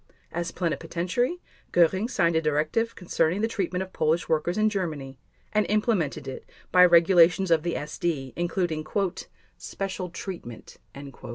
As Plenipotentiary, Göring signed a directive concerning the treatment of Polish workers in Germany and implemented it by regulations of the SD, including "special treatment."